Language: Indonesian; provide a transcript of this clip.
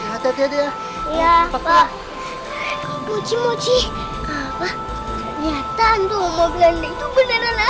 ya apa apa buci buci nyata untuk ngobrol itu beneran ada ha ha ha